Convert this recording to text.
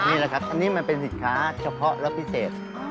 นี่แหละครับอันนี้มันเป็นสินค้าเฉพาะรสพิเศษ